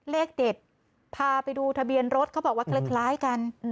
เลขเด็ดพาไปดูทะเบียนรถเขาบอกว่าคล้ายกัน